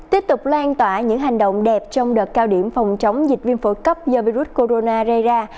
tiếp tục lan tỏa những hành động đẹp trong đợt cao điểm phòng chống dịch viêm phổi cấp do virus corona gây ra